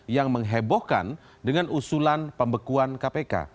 yang menghebohkan dengan usulan pembekuan kpk